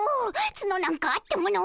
ツノなんかあってもの。